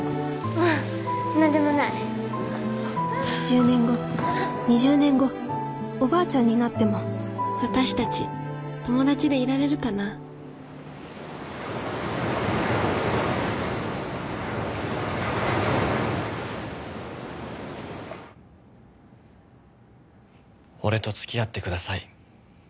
ああなんでもない１０年後２０年後おばあちゃんになっても私達友達でいられるかな俺とつきあってください